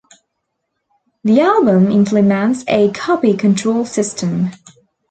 The album implements a Copy Control system.